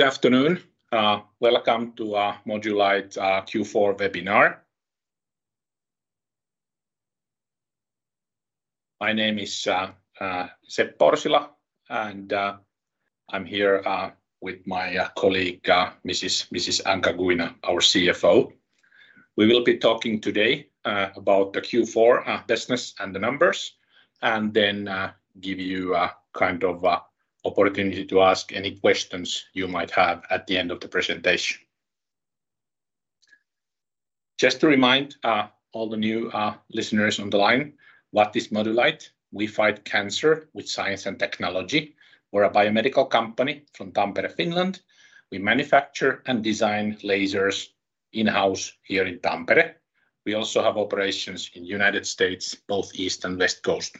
Good afternoon. Welcome to our Modulight Q4 webinar. My name is Seppo Orsila, and I'm here with my colleague, Mrs. Anca Guina, our CFO. We will be talking today about the Q4 business and the numbers, and then give you a kind of opportunity to ask any questions you might have at the end of the presentation. Just to remind all the new listeners on the line, what is Modulight? We fight cancer with science and technology. We're a biomedical company from Tampere, Finland. We manufacture and design lasers in-house here in Tampere. We also have operations in the United States, both East and West Coast.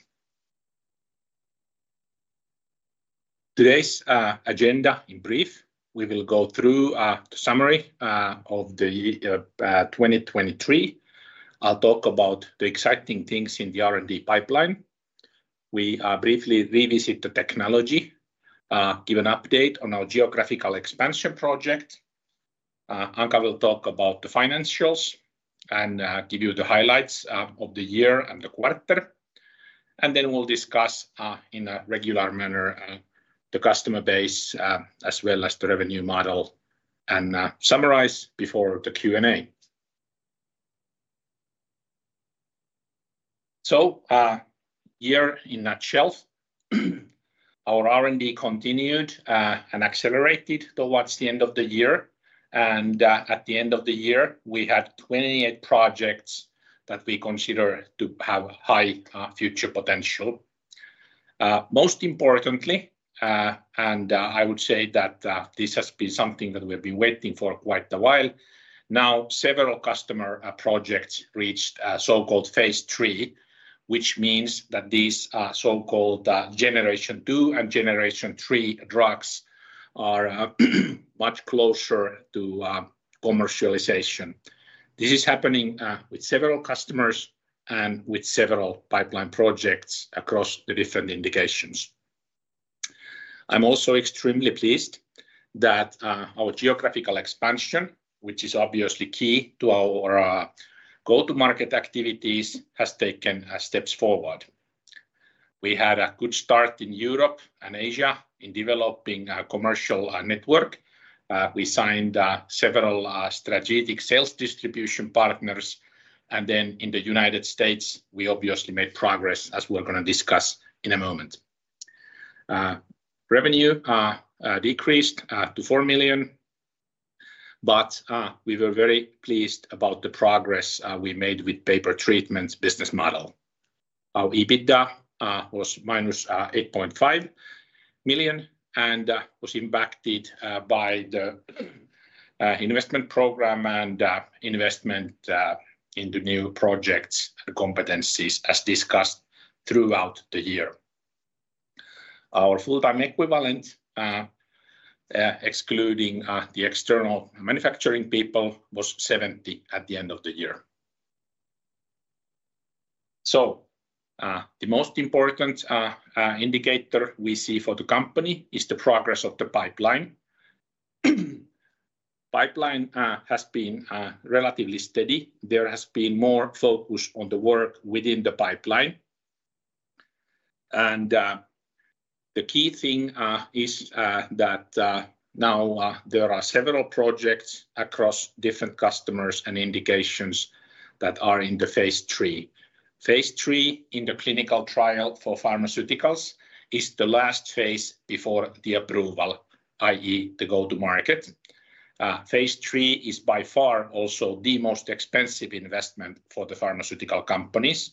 Today's agenda in brief: we will go through the summary of the 2023. I'll talk about the exciting things in the R&D pipeline. We briefly revisit the technology, give an update on our geographical expansion project. Anca will talk about the financials and give you the highlights of the year and the quarter. Then we'll discuss, in a regular manner, the customer base, as well as the revenue model and summarize before the Q&A. Year in a nutshell, our R&D continued and accelerated towards the end of the year. At the end of the year, we had 28 projects that we consider to have high future potential. Most importantly, I would say that this has been something that we have been waiting for quite a while. Now, several customer projects reached so-called Phase III, which means that these so-called Generation 2 and Generation 3 drugs are much closer to commercialization. This is happening with several customers and with several pipeline projects across the different indications. I'm also extremely pleased that our geographical expansion, which is obviously key to our go-to-market activities, has taken steps forward. We had a good start in Europe and Asia in developing a commercial network. We signed several strategic sales distribution partners. Then in the United States, we obviously made progress, as we're going to discuss in a moment. Revenue decreased to 4 million. But we were very pleased about the progress we made with pay-per-treatment business model. Our EBITDA was -8.5 million and was impacted by the investment program and investment in the new projects and competencies as discussed throughout the year. Our full-time equivalent, excluding the external manufacturing people, was 70 at the end of the year. So, the most important indicator we see for the company is the progress of the pipeline. Pipeline has been relatively steady. There has been more focus on the work within the pipeline. The key thing is that now there are several projects across different customers and indications that are in the Phase 3. Phase 3 in the clinical trial for pharmaceuticals is the last phase before the approval, i.e., the go-to-market. Phase 3 is by far also the most expensive investment for the pharmaceutical companies.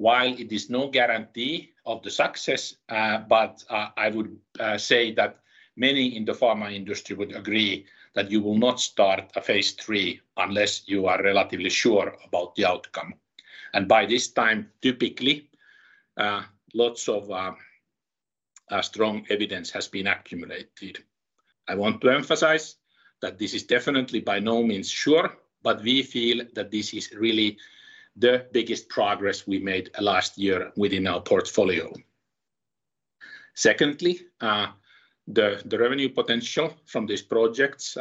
While it is no guarantee of the success, but I would say that many in the pharma industry would agree that you will not start a Phase 3 unless you are relatively sure about the outcome. By this time, typically, lots of strong evidence has been accumulated. I want to emphasize that this is definitely by no means sure, but we feel that this is really the biggest progress we made last year within our portfolio. Secondly, the revenue potential from these projects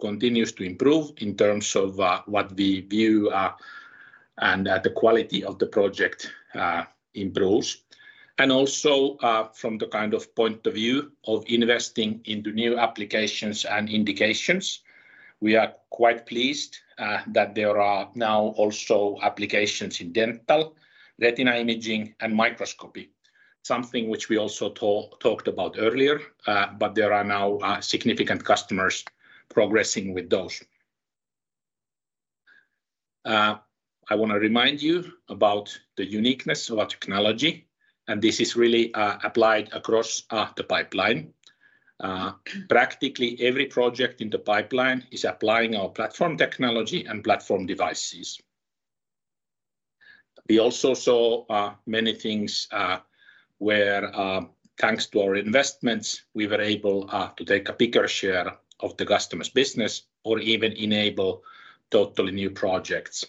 continues to improve in terms of what we view, and that the quality of the project improves. And also, from the kind of point of view of investing into new applications and indications, we are quite pleased that there are now also applications in dental, retina imaging, and microscopy, something which we also talked about earlier, but there are now significant customers progressing with those. I want to remind you about the uniqueness of our technology, and this is really applied across the pipeline. Practically every project in the pipeline is applying our platform technology and platform devices. We also saw many things where, thanks to our investments, we were able to take a bigger share of the customer's business or even enable totally new projects.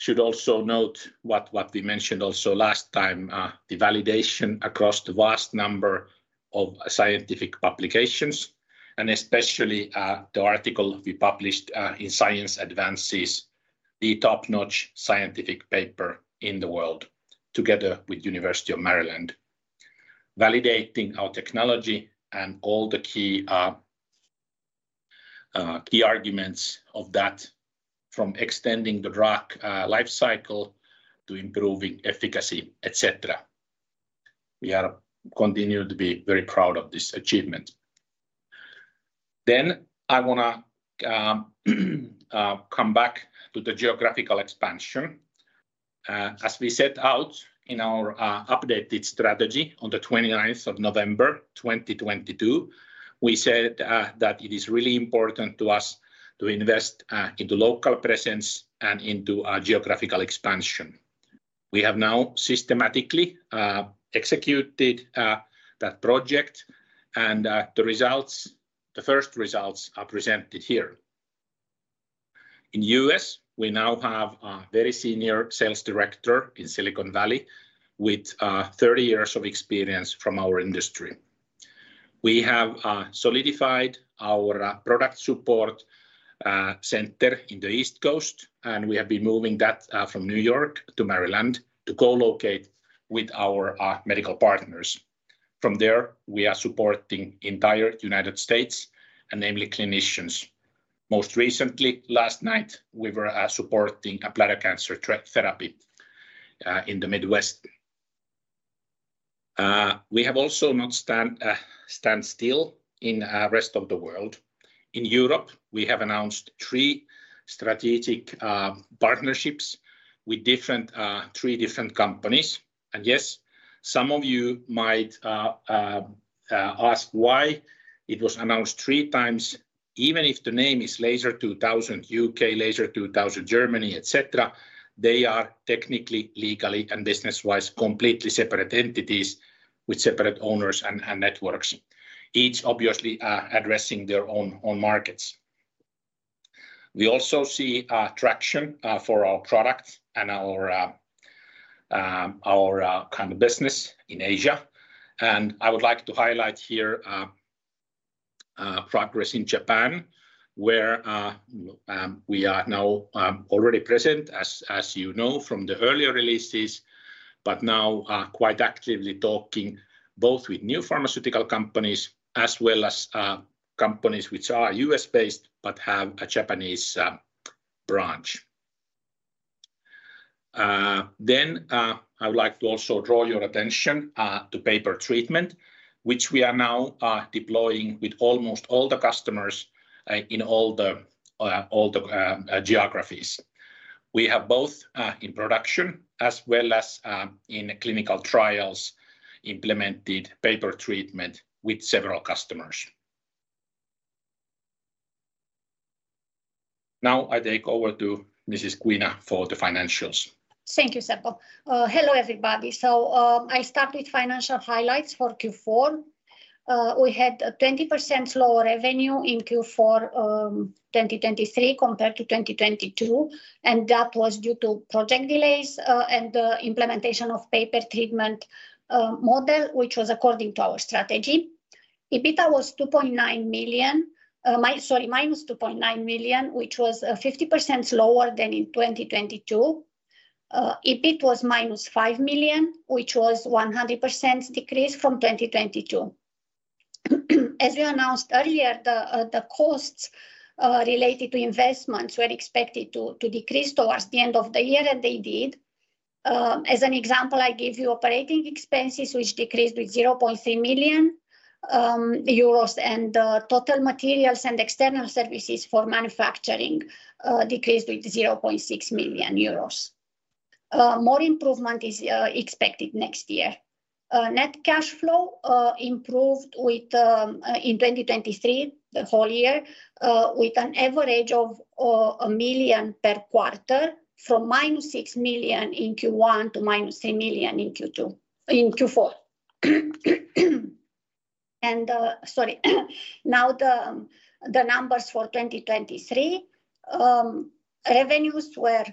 Then, should also note what what we mentioned also last time, the validation across the vast number of scientific publications and especially, the article we published, in Science Advances, the top-notch scientific paper in the world together with the University of Maryland, validating our technology and all the key, key arguments of that from extending the drug lifecycle to improving efficacy, etc. We are continuing to be very proud of this achievement. Then I want to come back to the geographical expansion. As we set out in our updated strategy on the 29th of November 2022, we said that it is really important to us to invest in the local presence and into geographical expansion. We have now systematically executed that project, and the results, the first results are presented here. In the US, we now have a very senior sales director in Silicon Valley with 30 years of experience from our industry. We have solidified our product support center in the East Coast, and we have been moving that from New York to Maryland to co-locate with our medical partners. From there, we are supporting the entire United States, and namely clinicians. Most recently, last night, we were supporting a bladder cancer therapy in the Midwest. We have also not stood still in the rest of the world. In Europe, we have announced three strategic partnerships with three different companies. And yes, some of you might ask why it was announced three times. Even if the name is Laser 2000 UK, Laser 2000 Germany, etc., they are technically, legally, and business-wise completely separate entities with separate owners and networks, each obviously addressing their own markets. We also see traction for our product and our kind of business in Asia. And I would like to highlight here progress in Japan, where we are now already present, as you know from the earlier releases, but now quite actively talking both with new pharmaceutical companies as well as companies which are US-based but have a Japanese branch. Then I would like to also draw your attention to pay-per-treatment, which we are now deploying with almost all the customers in all the geographies. We have both in production as well as in clinical trials implemented pay-per-treatment with several customers. Now I take over to Mrs. Guina for the financials. Thank you, Seppo. Hello everybody. I start with financial highlights for Q4. We had 20% lower revenue in Q4 2023 compared to 2022, and that was due to project delays and the implementation of pay-per-treatment model, which was according to our strategy. EBITDA was minus 2.9 million, sorry, which was 50% lower than in 2022. EBIT was minus 5 million, which was 100% decrease from 2022. As we announced earlier, the costs related to investments were expected to decrease towards the end of the year, and they did. As an example, I give you operating expenses, which decreased with 0.3 million euros, and total materials and external services for manufacturing decreased with 0.6 million euros. More improvement is expected next year. Net cash flow improved with, in 2023, the whole year, with an average of 1 million per quarter from -6 million in Q1 to -3 million in Q2 in Q4. Sorry, now the numbers for 2023, revenues were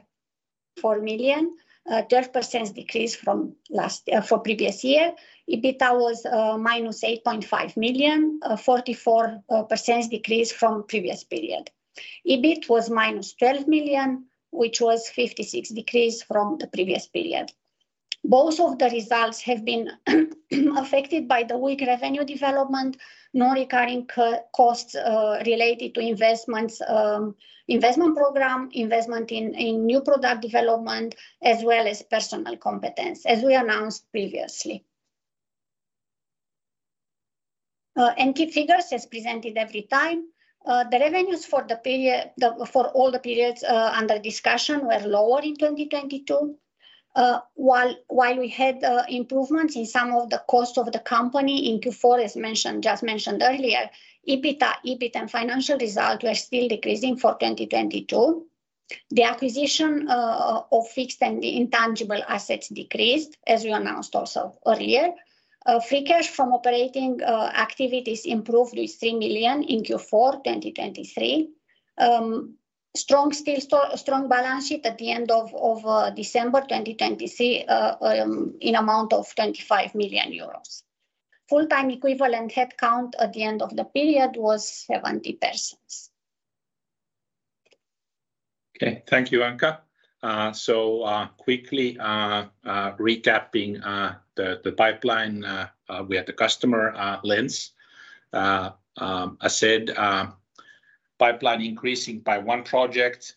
4 million, 12% decrease from last, for previous year. EBITDA was -8.5 million, 44% decrease from previous period. EBIT was -12 million, which was 56% decrease from the previous period. Both of the results have been affected by the weak revenue development, non-recurring costs related to investments, investment program, investment in in new product development, as well as personal competence, as we announced previously. Key figures as presented every time, the revenues for the period, the for all the periods, under discussion were lower in 2022. While we had improvements in some of the costs of the company in Q4, as mentioned, just mentioned earlier, EBITDA, EBIT, and financial result were still decreasing for 2022. The acquisition of fixed and intangible assets decreased, as we announced also earlier. Free cash from operating activities improved with 3 million in Q4 2023. Strong balance sheet at the end of December 2023, in amount of 25 million euros. Full-time equivalent headcount at the end of the period was 70 persons. Okay, thank you, Anca. Quickly recapping, the pipeline, we had the customer lens. As said, pipeline increasing by one project.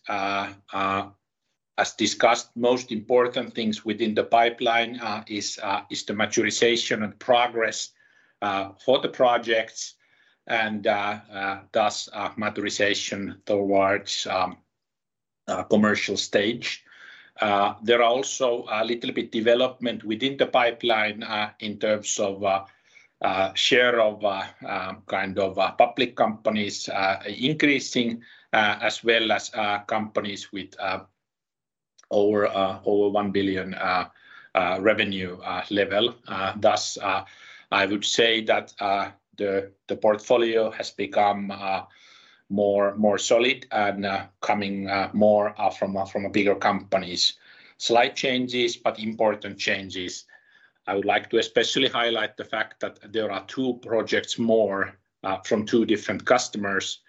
As discussed, most important things within the pipeline is the maturation and progress for the projects and thus maturation towards commercial stage. There are also a little bit development within the pipeline, in terms of share of kind of public companies increasing, as well as companies with over 1 billion revenue level. Thus, I would say that the portfolio has become more solid and coming more from bigger companies. Slight changes, but important changes. I would like to especially highlight the fact that there are two projects more from two different customers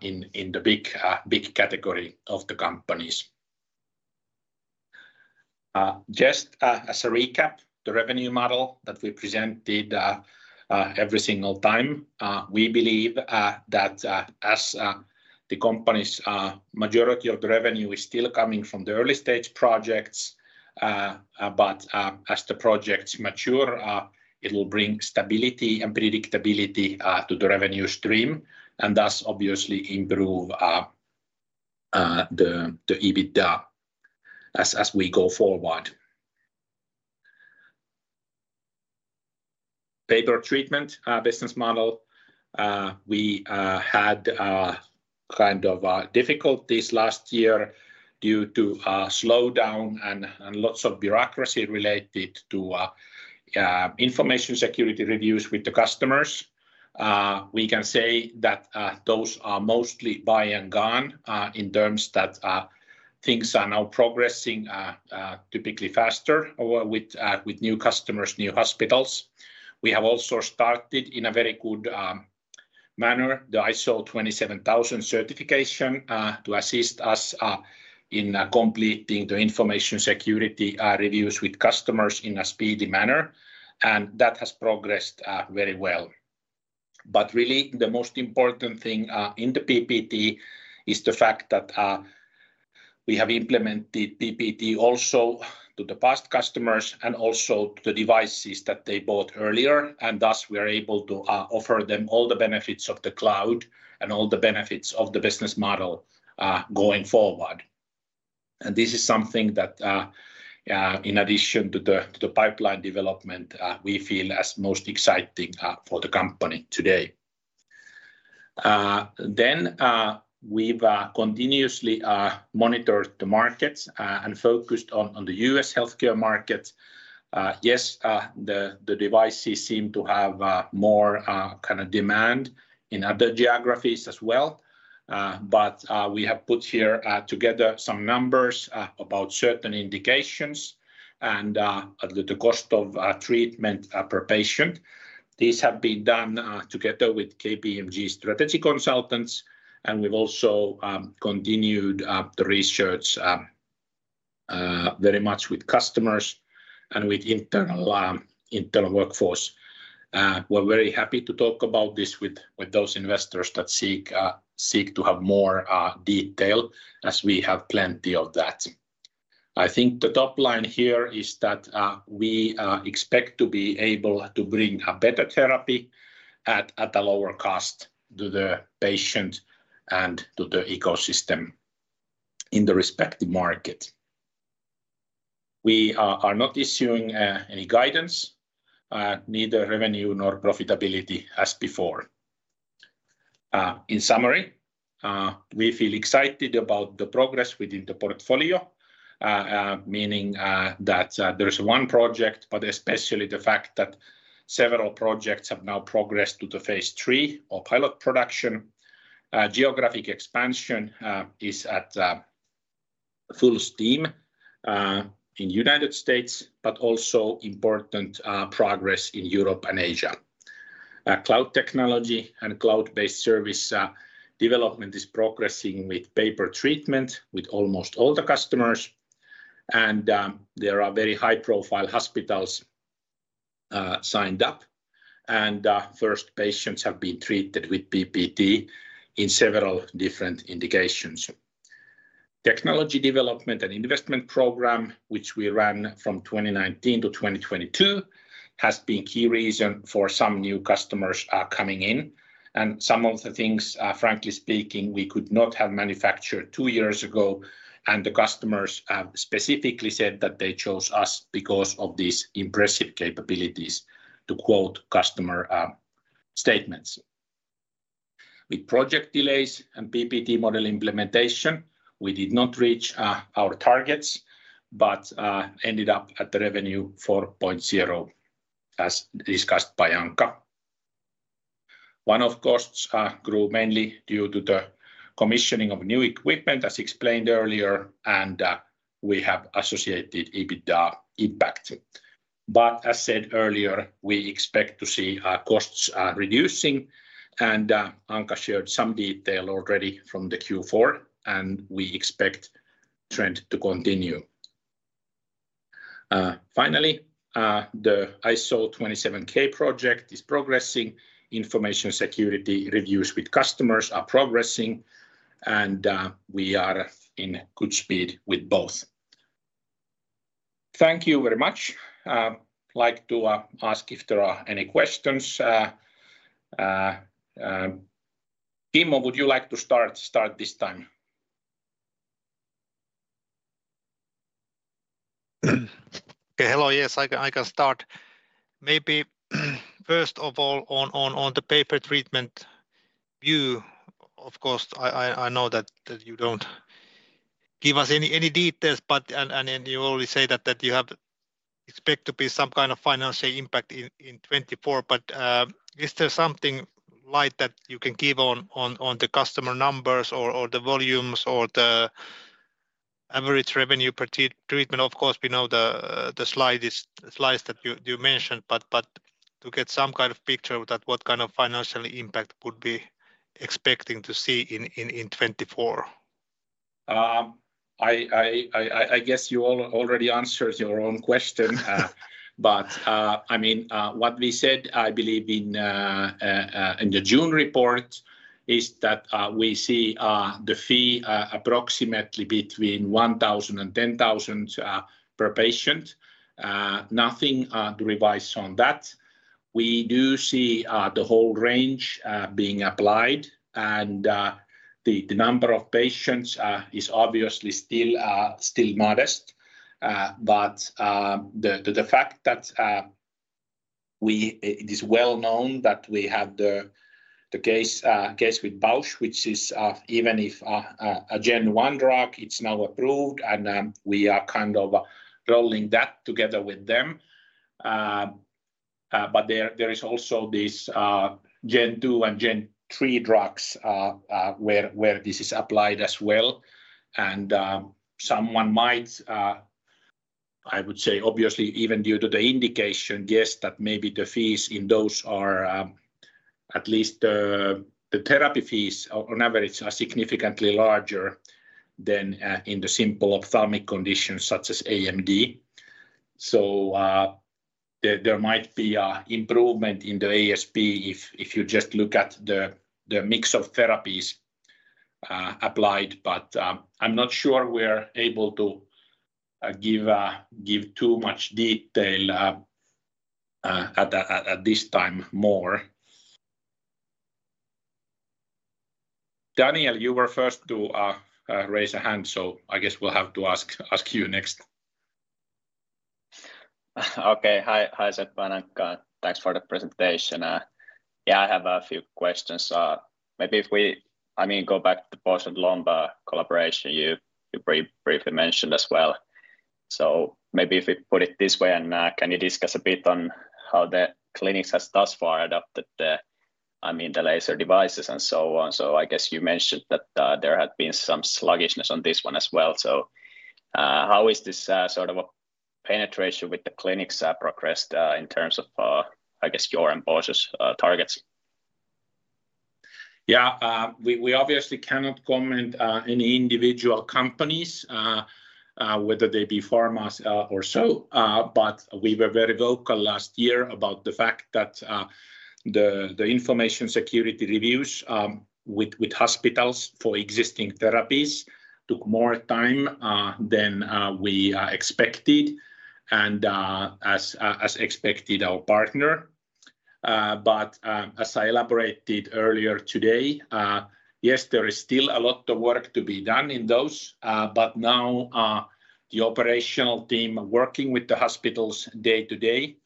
in the big category of the companies. Just, as a recap, the revenue model that we presented every single time, we believe that as the company's majority of the revenue is still coming from the early stage projects, but as the projects mature, it will bring stability and predictability to the revenue stream and thus obviously improve the EBITDA as we go forward. Pay-Per-Treatment business model, we had kind of difficulties last year due to slowdown and lots of bureaucracy related to information security reviews with the customers. We can say that those are mostly behind us, in the sense that things are now progressing typically faster with new customers, new hospitals. We have also started in a very good manner the ISO 27000 certification to assist us in completing the information security reviews with customers in a speedy manner, and that has progressed very well. But really, the most important thing in the PPT is the fact that we have implemented PPT also to the past customers and also to the devices that they bought earlier, and thus we are able to offer them all the benefits of the cloud and all the benefits of the business model going forward. And this is something that, in addition to the pipeline development, we feel as most exciting for the company today. Then, we've continuously monitored the markets and focused on the US healthcare market. Yes, the devices seem to have more kind of demand in other geographies as well. But we have put here together some numbers about certain indications and the cost of treatment per patient. These have been done together with KPMG's strategy consultants, and we've also continued the research very much with customers and with internal workforce. We're very happy to talk about this with those investors that seek to have more detail, as we have plenty of that. I think the top line here is that we expect to be able to bring a better therapy at a lower cost to the patient and to the ecosystem in the respective market. We are not issuing any guidance, neither revenue nor profitability as before. In summary, we feel excited about the progress within the portfolio, meaning that there is one project, but especially the fact that several projects have now progressed to the Phase 3 of pilot production. Geographic expansion is at full steam in the United States, but also important progress in Europe and Asia. Cloud technology and cloud-based service development is progressing with PPT with almost all the customers, and there are very high-profile hospitals signed up, and first patients have been treated with PPT in several different indications. Technology development and investment program, which we ran from 2019 to 2022, has been a key reason for some new customers coming in, and some of the things, frankly speaking, we could not have manufactured two years ago, and the customers have specifically said that they chose us because of these impressive capabilities, to quote customer statements. With project delays and PPT model implementation, we did not reach our targets, but ended up at the revenue 4.0, as discussed by Anca. One of the costs grew mainly due to the commissioning of new equipment, as explained earlier, and we have associated EBITDA impact. But as said earlier, we expect to see costs reducing, and Anca shared some detail already from the Q4, and we expect the trend to continue. Finally, the ISO 27000 project is progressing. Information security reviews with customers are progressing, and we are in good speed with both. Thank you very much. I'd like to ask if there are any questions. Timo, would you like to start this time? Okay, hello, yes, I can start. Maybe first of all, on the pay-per-treatment view, of course, I know that you don't give us any details, but you always say that you expect to be some kind of financial impact in 2024, but is there something light that you can give on the customer numbers or the volumes or the average revenue per treatment? Of course, we know the slides that you mentioned, but to get some kind of picture of what kind of financial impact would be expected to see in 2024. I guess you already answered your own question, but I mean what we said, I believe in the June report, is that we see the fee approximately between 1,000 and 10,000 per patient. Nothing to revise on that. We do see the whole range being applied, and the number of patients is obviously still modest, but the fact that it is well known that we have the case with Bausch, which is even if a Gen 1 drug, it's now approved, and we are kind of rolling that together with them. But there is also these Gen 2 and Gen 3 drugs where this is applied as well, and someone might, I would say, obviously even due to the indication, guess that maybe the fees in those are at least the therapy fees on average are significantly larger than in the simple ophthalmic conditions such as AMD. So there might be an improvement in the ASP if you just look at the mix of therapies applied, but I'm not sure we're able to give too much detail at this time more. Daniel, you were first to raise a hand, so I guess we'll have to ask you next. Okay, hi Seppo and Anca. Thanks for the presentation. Yeah, I have a few questions. Maybe if we, I mean, go back to the Bausch + Lomb collaboration you briefly mentioned as well. So maybe if we put it this way, can you discuss a bit on how the clinics have thus far adopted, I mean, the laser devices and so on? So I guess you mentioned that there had been some sluggishness on this one as well. So how is this sort of a penetration with the clinics progressed in terms of, I guess, your and Bausch + Lomb's targets? Yeah, we obviously cannot comment on any individual companies, whether they be pharmas or so, but we were very vocal last year about the fact that the information security reviews with hospitals for existing therapies took more time than we expected and, as expected, our partner. But as I elaborated earlier today, yes, there is still a lot of work to be done in those, but now the operational team working with the hospitals day to day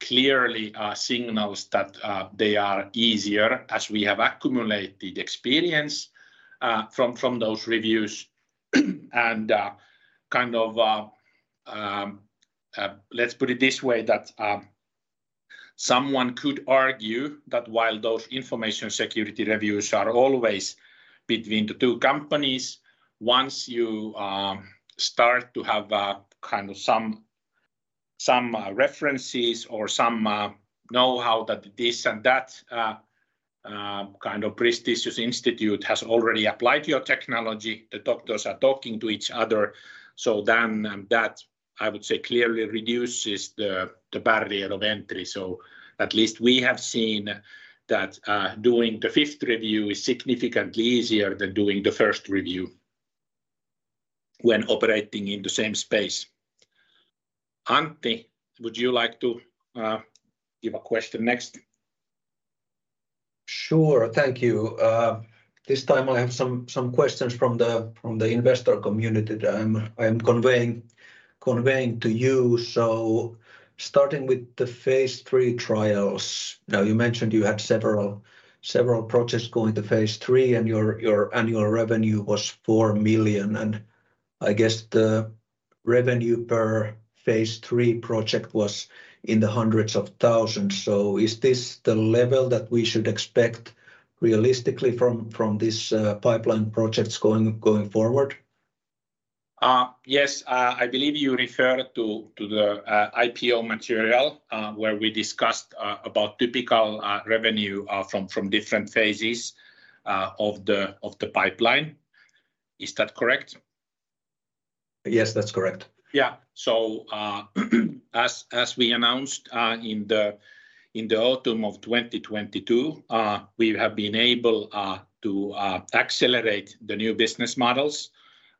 clearly signals that they are easier as we have accumulated experience from those reviews. And kind of, let's put it this way, that someone could argue that while those information security reviews are always between the two companies, once you start to have kind of some references or some know-how that this and that kind of prestigious institute has already applied your technology, the doctors are talking to each other, so then that, I would say, clearly reduces the barrier of entry. So at least we have seen that doing the fifth review is significantly easier than doing the first review when operating in the same space. Antti, would you like to give a question next? Sure, thank you. This time I have some questions from the investor community that I am conveying to you. So starting with the phase three trials, now you mentioned you had several projects going to phase three and your annual revenue was 4 million, and I guess the revenue per phase three project was in the EUR hundreds of thousands. So is this the level that we should expect realistically from these pipeline projects going forward? Yes, I believe you referred to the IPO material where we discussed about typical revenue from different phases of the pipeline. Is that correct? Yes, that's correct. Yeah, so as we announced in the autumn of 2022, we have been able to accelerate the new business models,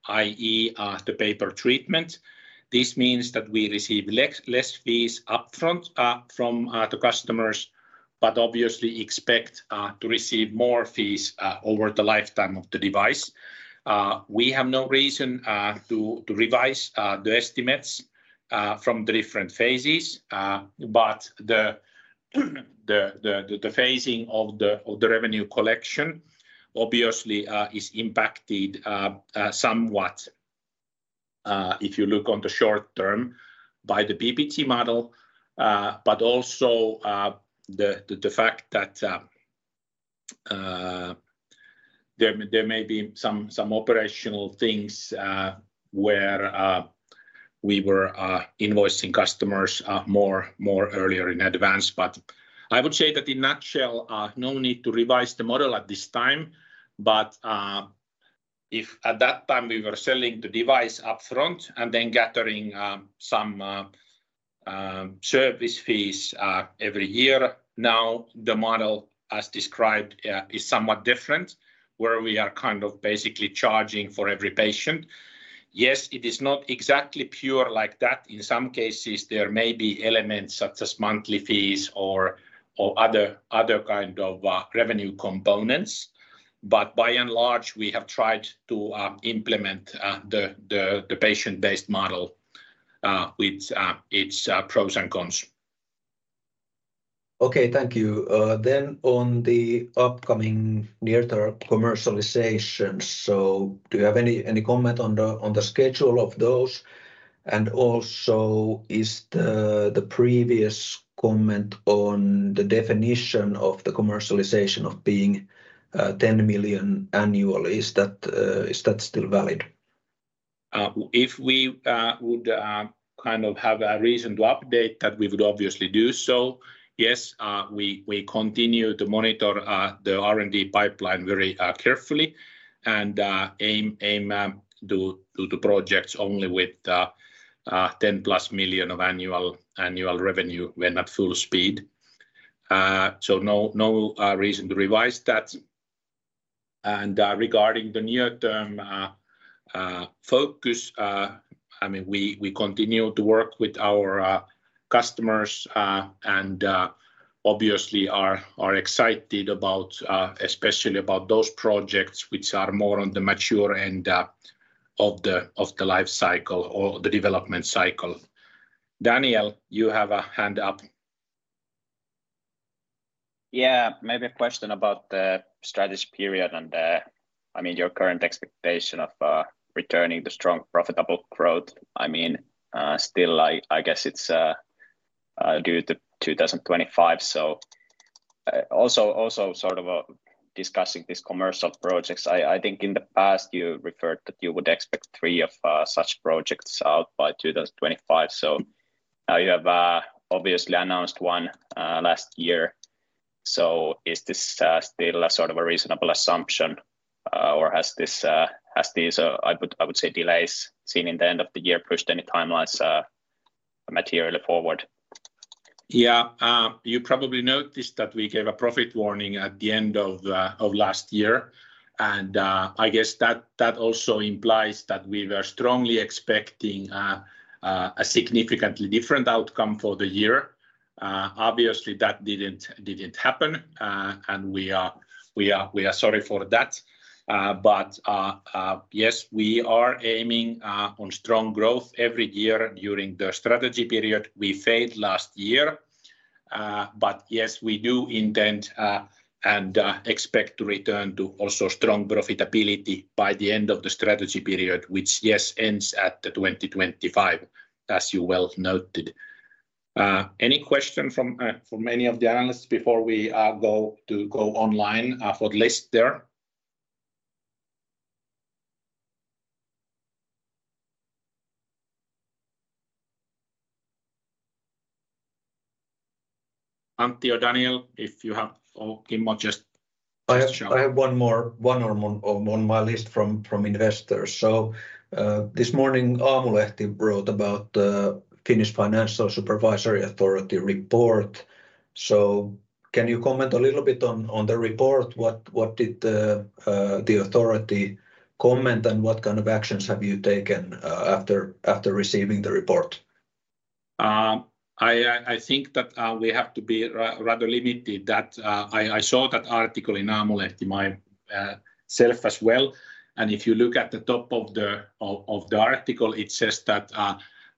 i.e., the pay-per-treatment. This means that we receive less fees upfront from the customers, but obviously expect to receive more fees over the lifetime of the device. We have no reason to revise the estimates from the different phases, but the phasing of the revenue collection obviously is impacted somewhat if you look on the short term by the PPT model, but also the fact that there may be some operational things where we were invoicing customers more earlier in advance. But I would say that in a nutshell, no need to revise the model at this time. But if at that time we were selling the device upfront and then gathering some service fees every year, now the model, as described, is somewhat different where we are kind of basically charging for every patient. Yes, it is not exactly pure like that. In some cases, there may be elements such as monthly fees or other kinds of revenue components, but by and large, we have tried to implement the patient-based model with its pros and cons. Okay, thank you. Then on the upcoming near-term commercialization, so do you have any comment on the schedule of those? And also, is the previous comment on the definition of the commercialization of being 10 million annually, is that still valid? If we would kind of have a reason to update, that we would obviously do so. Yes, we continue to monitor the R&D pipeline very carefully and aim to do the projects only with 10+ million of annual revenue when at full speed. So no reason to revise that. Regarding the near-term focus, I mean, we continue to work with our customers and obviously are excited, especially about those projects which are more on the mature end of the life cycle or the development cycle. Daniel, you have a hand up. Yeah, maybe a question about the strategy period and, I mean, your current expectation of returning the strong profitable growth. I mean, still, I guess it's due to 2025. So also sort of discussing these commercial projects, I think in the past you referred that you would expect three of such projects out by 2025. So now you have obviously announced one last year. So is this still sort of a reasonable assumption or has these, I would say, delays seen in the end of the year pushed any timelines materially forward? Yeah, you probably noticed that we gave a profit warning at the end of last year, and I guess that also implies that we were strongly expecting a significantly different outcome for the year. Obviously, that didn't happen, and we are sorry for that. But yes, we are aiming on strong growth every year during the strategy period. We failed last year, but yes, we do intend and expect to return to also strong profitability by the end of the strategy period, which yes, ends at 2025, as you well noted. Any question from any of the analysts before we go online for the list there? Antti or Daniel, if you have or Timo just shared. I have one more on my list from investors. This morning, Aamulehti wrote about the Finnish Financial Supervisory Authority report. Can you comment a little bit on the report? What did the authority comment and what kind of actions have you taken after receiving the report? I think that we have to be rather limited. I saw that article in Aamulehti myself as well, and if you look at the top of the article, it says that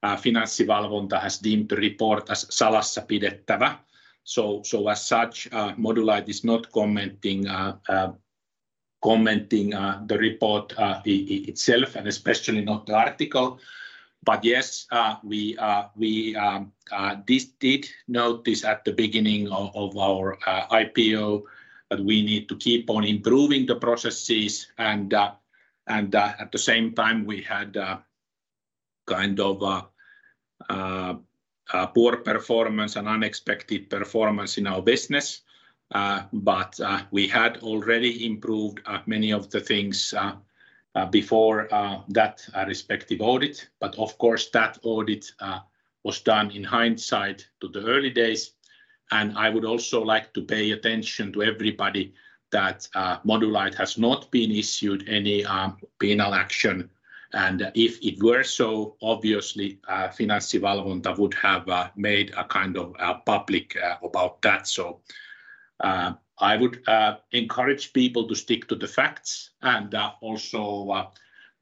Finanssivalvonta has deemed the report as salassapidettävä. So as such, Modulight is not commenting the report itself and especially not the article. But yes, we did notice at the beginning of our IPO that we need to keep on improving the processes, and at the same time, we had kind of poor performance and unexpected performance in our business. But we had already improved many of the things before that respective audit. But of course, that audit was done in hindsight to the early days. I would also like to pay attention to everybody that Modulight has not been issued any penal action, and if it were so, obviously, Finanssivalvonta would have made a kind of public about that. I would encourage people to stick to the facts and also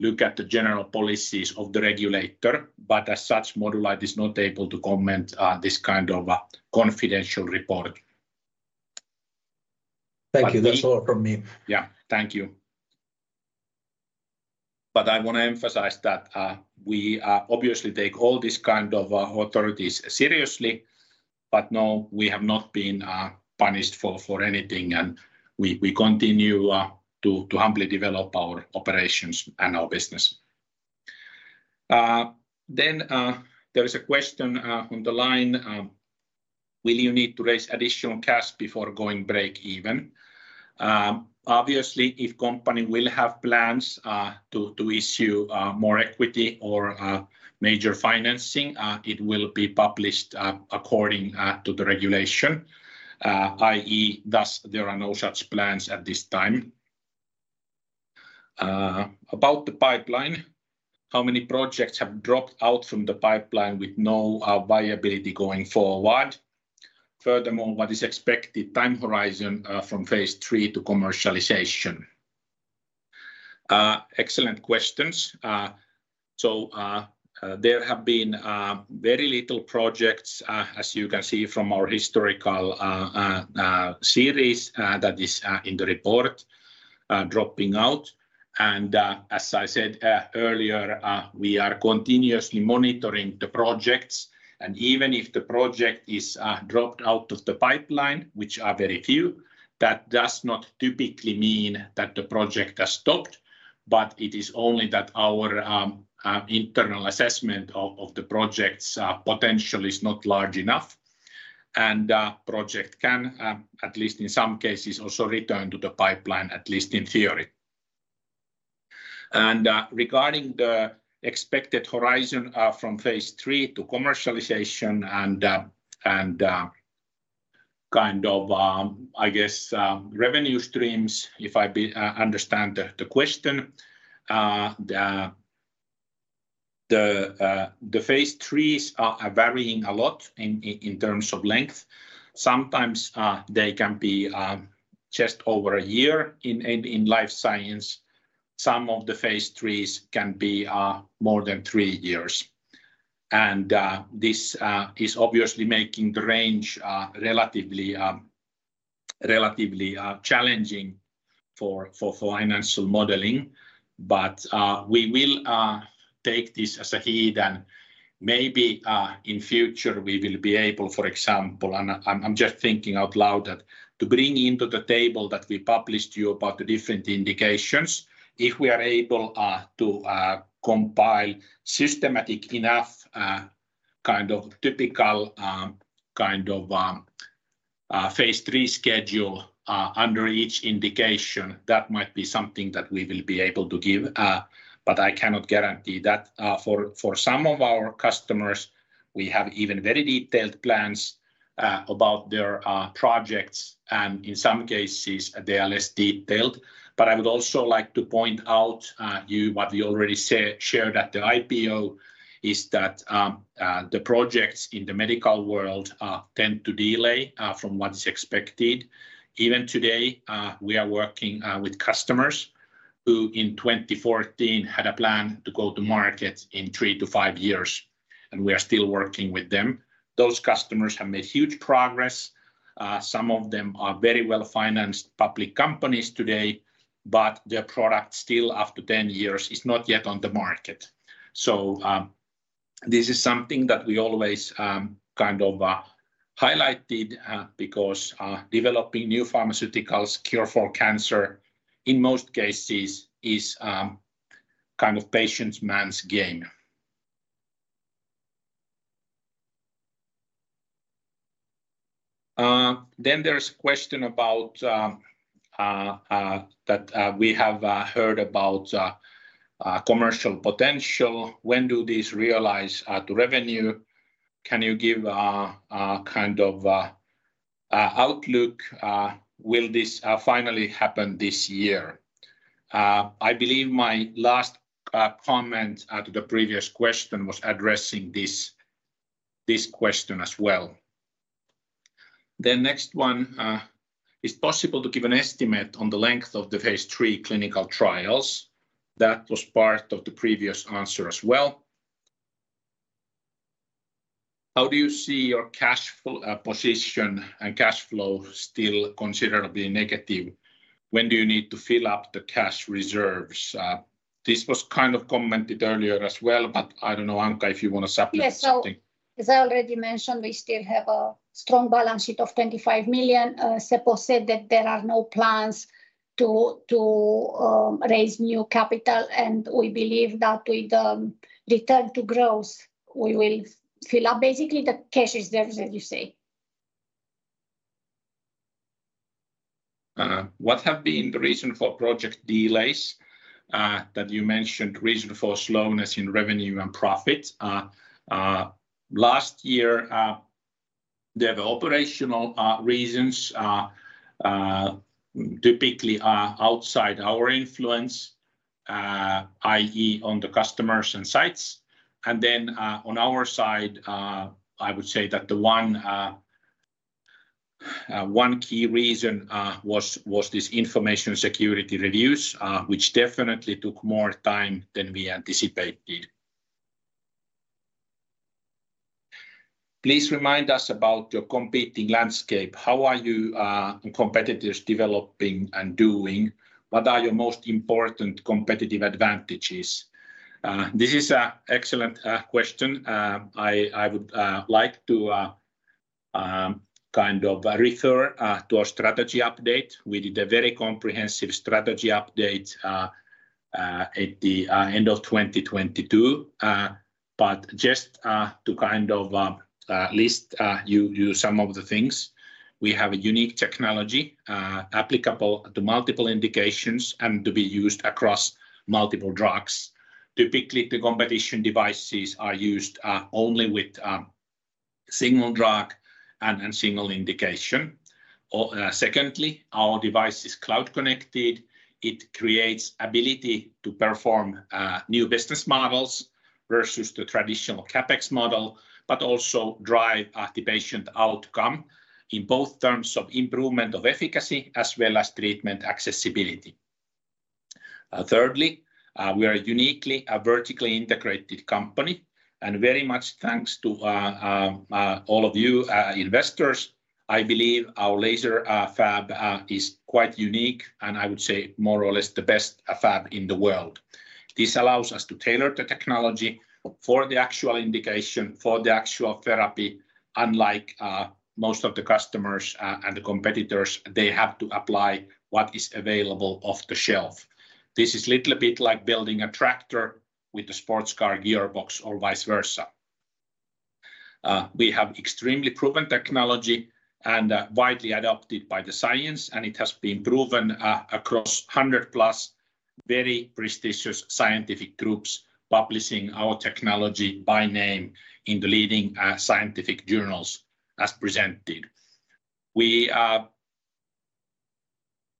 look at the general policies of the regulator. As such, Modulight is not able to comment on this kind of confidential report. Thank you. That's all from me. Yeah, thank you. But I want to emphasize that we obviously take all these kinds of authorities seriously, but no, we have not been punished for anything, and we continue to humbly develop our operations and our business. Then there is a question on the line. Will you need to raise additional cash before going break-even? Obviously, if a company will have plans to issue more equity or major financing, it will be published according to the regulation, i.e., thus there are no such plans at this time. About the pipeline, how many projects have dropped out from the pipeline with no viability going forward? Furthermore, what is the expected time horizon from phase three to commercialization? Excellent questions. So there have been very little projects, as you can see from our historical series that is in the report, dropping out. And as I said earlier, we are continuously monitoring the projects, and even if the project is dropped out of the pipeline, which are very few, that does not typically mean that the project has stopped, but it is only that our internal assessment of the projects' potential is not large enough, and the project can, at least in some cases, also return to the pipeline, at least in theory. And regarding the expected horizon from phase three to commercialization and kind of, I guess, revenue streams, if I understand the question, the phase threes are varying a lot in terms of length. Sometimes they can be just over a year in life science. Some of the phase threes can be more than three years. This is obviously making the range relatively challenging for financial modeling, but we will take this as a heed, and maybe in the future we will be able, for example, and I'm just thinking out loud, to bring into the table that we published you about the different indications, if we are able to compile systematic enough kind of typical kind of Phase III schedule under each indication, that might be something that we will be able to give. But I cannot guarantee that. For some of our customers, we have even very detailed plans about their projects, and in some cases, they are less detailed. But I would also like to point out to you what we already shared at the IPO, is that the projects in the medical world tend to delay from what is expected. Even today, we are working with customers who in 2014 had a plan to go to market in 3-5 years, and we are still working with them. Those customers have made huge progress. Some of them are very well-financed public companies today, but their product still, after 10 years, is not yet on the market. So this is something that we always kind of highlighted because developing new pharmaceuticals, cure for cancer, in most cases, is kind of patient's man's game. Then there's a question that we have heard about commercial potential. When do these realize to revenue? Can you give a kind of outlook? Will this finally happen this year? I believe my last comment to the previous question was addressing this question as well. The next one, is it possible to give an estimate on the length of the phase 3 clinical trials? That was part of the previous answer as well. How do you see your cash position and cash flow still considerably negative? When do you need to fill up the cash reserves? This was kind of commented earlier as well, but I don't know, Anca, if you want to supplement something. Yes, so as I already mentioned, we still have a strong balance sheet of 25 million. Seppo said that there are no plans to raise new capital, and we believe that with the return to growth, we will fill up basically the cash reserves, as you say. What have been the reasons for project delays? That you mentioned reasons for slowness in revenue and profit. Last year, there were operational reasons, typically outside our influence, i.e., on the customers and sites. And then on our side, I would say that the one key reason was these information security reviews, which definitely took more time than we anticipated. Please remind us about your competitive landscape. How are your competitors developing and doing? What are your most important competitive advantages? This is an excellent question. I would like to kind of refer to a strategy update. We did a very comprehensive strategy update at the end of 2022. But just to kind of list some of the things, we have a unique technology applicable to multiple indications and to be used across multiple drugs. Typically, the competition devices are used only with a single drug and single indication. Secondly, our device is cloud-connected. It creates the ability to perform new business models versus the traditional CapEx model, but also drive the patient outcome in both terms of improvement of efficacy as well as treatment accessibility. Thirdly, we are uniquely a vertically integrated company, and very much thanks to all of you investors, I believe our laser fab is quite unique, and I would say more or less the best fab in the world. This allows us to tailor the technology for the actual indication, for the actual therapy. Unlike most of the customers and the competitors, they have to apply what is available off the shelf. This is a little bit like building a tractor with a sports car gearbox or vice versa. We have extremely proven technology and widely adopted by the science, and it has been proven across 100+ very prestigious scientific groups publishing our technology by name in the leading scientific journals as presented.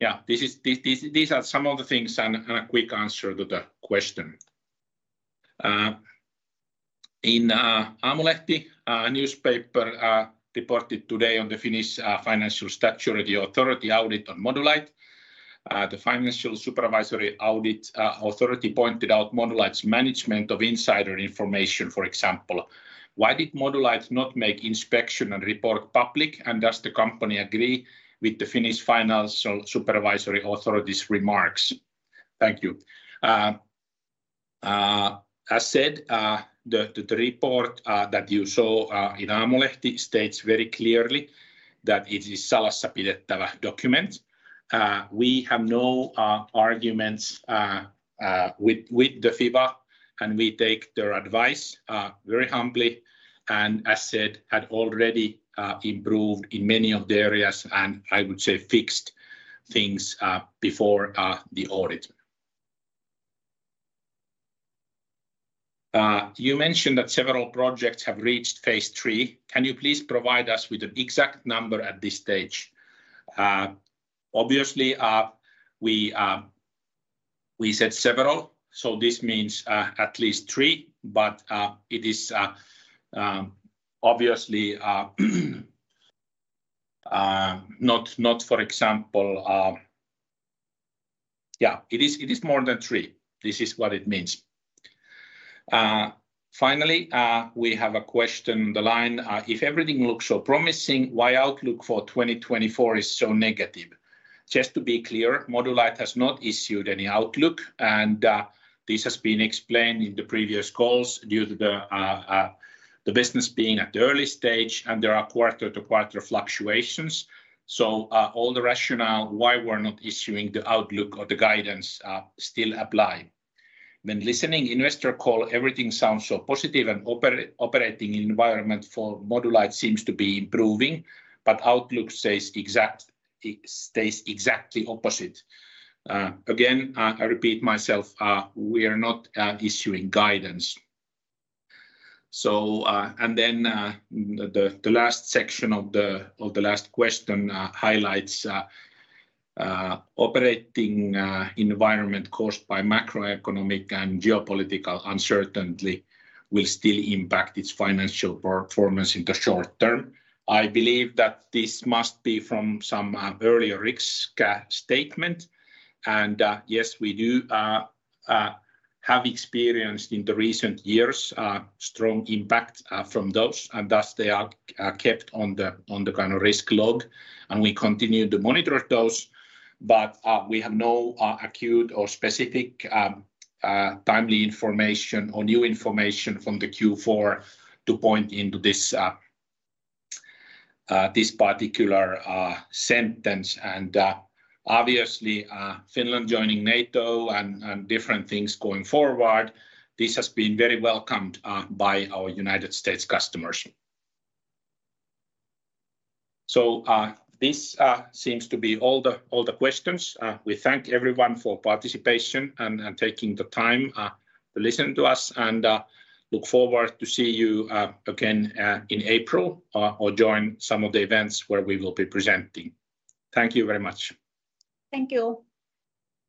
Yeah, these are some of the things and a quick answer to the question. In Aamulehti, a newspaper reported today on the Finnish Financial Supervisory Authority audit on Modulight, the Financial Supervisory Authority pointed out Modulight's management of insider information, for example. Why did Modulight not make inspection and report public, and does the company agree with the Finnish Financial Supervisory Authority's remarks? Thank you. As said, the report that you saw in Aamulehti states very clearly that it is a salassapidettävä document. We have no arguments with the FIN-FSA, and we take their advice very humbly and, as said, had already improved in many of the areas, and I would say fixed things before the audit. You mentioned that several projects have reached Phase III. Can you please provide us with an exact number at this stage? Obviously, we said several, so this means at least three, but it is obviously not, for example, yeah, it is more than three. This is what it means. Finally, we have a question on the line. If everything looks so promising, why is outlook for 2024 so negative? Just to be clear, Modulight has not issued any outlook, and this has been explained in the previous calls due to the business being at the early stage, and there are quarter-to-quarter fluctuations. So all the rationale why we're not issuing the outlook or the guidance still applies. When listening to the investor call, everything sounds so positive, and the operating environment for Modulight seems to be improving, but outlook states exactly the opposite. Again, I repeat myself, we are not issuing guidance. And then the last section of the last question highlights that the operating environment caused by macroeconomic and geopolitical uncertainty will still impact its financial performance in the short term. I believe that this must be from some earlier risk statement, and yes, we do have experienced in the recent years strong impacts from those, and thus they are kept on the kind of risk log, and we continue to monitor those. But we have no acute or specific timely information or new information from the Q4 to point into this particular sentence. And obviously, Finland joining NATO and different things going forward, this has been very welcomed by our United States customers. So this seems to be all the questions. We thank everyone for participation and taking the time to listen to us, and look forward to seeing you again in April or joining some of the events where we will be presenting. Thank you very much. Thank you.